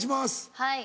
はい。